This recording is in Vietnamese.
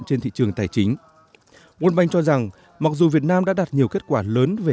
trên thị trường tài chính world bank cho rằng mặc dù việt nam đã đạt nhiều kết quả lớn về